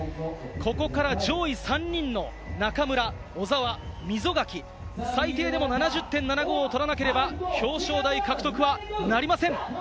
ここから上位３人の中村、小澤、溝垣、最低でも７０．７５を取らなければ表彰台獲得はなりません。